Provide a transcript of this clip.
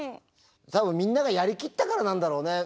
多分みんながやりきったからなんだろうね。